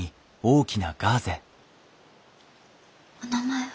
お名前は？